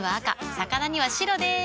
魚には白でーす。